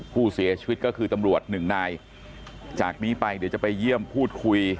ผู้เสียชีวิตก็คือตำรวจหนึ่งนายจากนี้ไปเดี๋ยวจะไปเยี่ยมพูดคุย